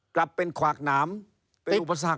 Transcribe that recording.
กลับเป็นขวากหนามเป็นอุภาษักทศ